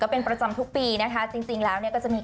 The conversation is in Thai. บอกพี่อาทรกีศาลพีพี่